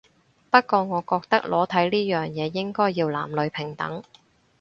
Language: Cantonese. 不過我覺得裸體呢樣嘢應該要男女平等